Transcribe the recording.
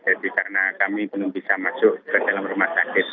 jadi karena kami belum bisa masuk ke dalam rumah sakit